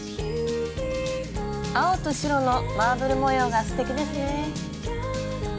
青と白のマーブル模様がすてきですね。